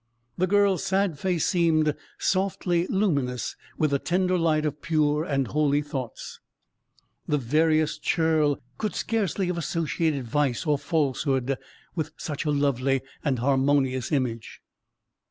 The girl's sad face seemed softly luminous with the tender light of pure and holy thoughts. The veriest churl could scarcely have associated vice or falsehood with such a lovely and harmonious image.